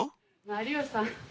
有吉さん。